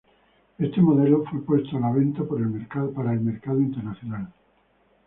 Este modelo fue puesto a la venta para el mercado internacional.